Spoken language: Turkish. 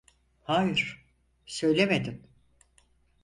Hayır, söylemedin.